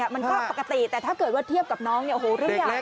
มันก็ปกติแต่ถ้าเกิดเทียบกับน้องโอ้โฮเล่นใหญ่